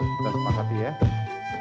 kita terima kasih ya